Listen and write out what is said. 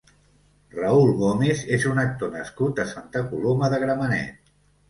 Raúl Gómez és un actor nascut a Santa Coloma de Gramenet.